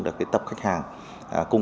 được tập khách hàng